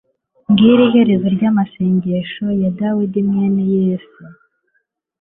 ngiri iherezo ry'amasengesho ya dawudi, mwene yese